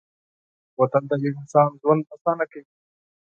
بوتل د یو انسان ژوند اسانه کوي.